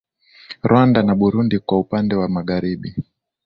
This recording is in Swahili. Rwanda na Burundi kwa upande wa Magharibi